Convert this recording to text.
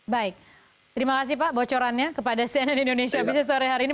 baik terima kasih pak bocorannya kepada cnn indonesia business sore hari ini